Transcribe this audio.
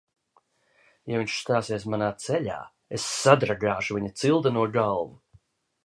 Ja viņš stāsies manā ceļā, es sadragāšu viņa cildeno galvu!